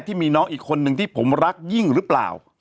ที่มีน้องอีกคนนึงที่ผมรักยิ่งหรือเปล่า